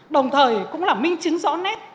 đồng thời cũng là minh chứng rõ nét